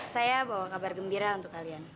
saya bawa kabar gembira untuk kalian